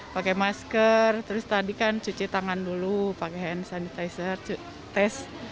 pakai masker terus tadi kan cuci tangan dulu pakai hand sanitizer tes